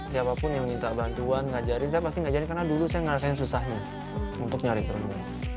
siapapun yang minta bantuan ngajarin saya pasti ngajarin karena dulu saya ngerasain susahnya untuk nyari ketemu